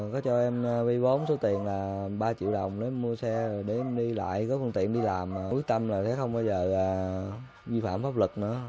có cho em vi vốn số tiền là ba triệu đồng để mua xe để em đi lại có phần tiền đi làm quyết tâm là sẽ không bao giờ vi phạm pháp lịch nữa